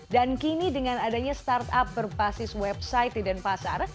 dan kini dengan adanya startup berbasis website di denpasar